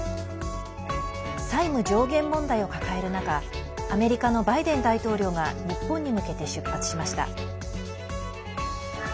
債務上限問題を抱える中アメリカのバイデン大統領が日本に向けて出発しました。